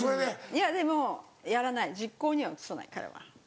いやでもやらない実行には移さない彼は。